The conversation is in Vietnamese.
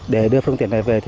để đưa phương tiện này về